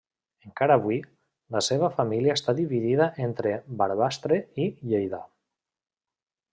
Encara avui, la seva família està dividida entre Barbastre i Lleida.